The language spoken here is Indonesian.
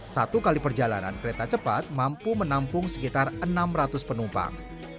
satu kali perjalanan kereta cepat mampu menampung sekitar enam ratus penumpang